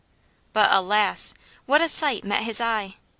But alas! what a sight met his eye.